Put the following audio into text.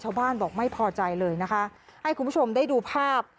บอกไม่พอใจเลยนะคะให้คุณผู้ชมได้ดูภาพ